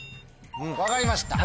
分かりました。